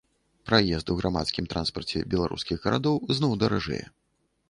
Праезд у грамадскім транспарце беларускіх гарадоў зноў даражэе.